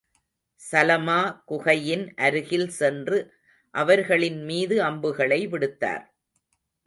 Salama குகையின் அருகில் சென்று அவர்களின் மீது அம்புகளை விடுத்தார்.